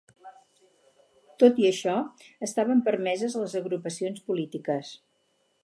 Tot i això estaven permeses les agrupacions polítiques.